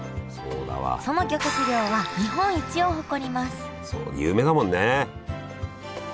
その漁獲量は日本一を誇ります有名だもんね。